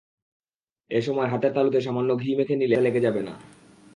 এ সময় হাতের তালুতে সামান্য ঘি মেখে নিলে হাতে লেগে যাবে না।